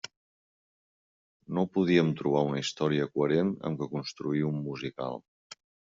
No podien trobar una història coherent amb què construir un musical.